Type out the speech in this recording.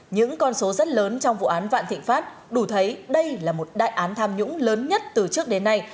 những con số rất lớn trong vụ án vạn thịnh pháp đủ thấy đây là một đại án tham nhũng lớn nhất từ trước đến nay